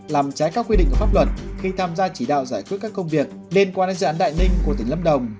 làm trái các quy định của pháp luật khi tham gia chỉ đạo giải quyết các công việc liên quan đến dự án đại ninh của tỉnh lâm đồng